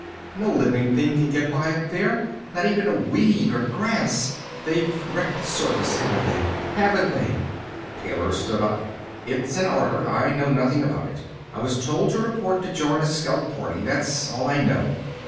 No living thing can get by up there, not even a weed, or grass. They've wrecked the surface, haven't they? Haven't they?" Taylor stood up. "It's an order. I know nothing about it. I was told to report to join a scout party. That's all I know."